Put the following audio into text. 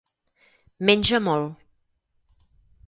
Menja molt.